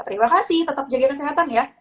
terima kasih tetap jaga kesehatan ya